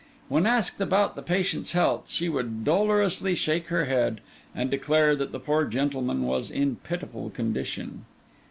When asked about the patient's health, she would dolorously shake her head, and declare that the poor gentleman was in a pitiful condition.